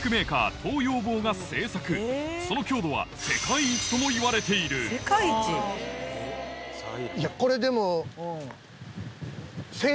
東洋紡が製作その強度は世界一ともいわれているこれでも。